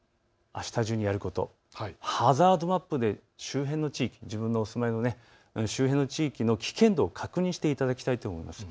そこであした中にやること、ハザードマップで周辺の地域、自分のお住まいの周辺の地域の危険度を確認していただきたいと思います。